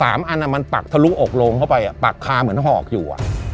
อันมันปักทะลุอกโลงเข้าไปปักคาเหมือนหอกอยู่